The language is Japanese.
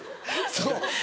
そう。